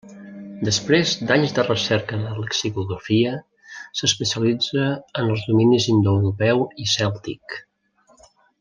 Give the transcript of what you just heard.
Després d'anys de recerca de lexicografia, s'especialitza en els dominis indoeuropeu i cèltic.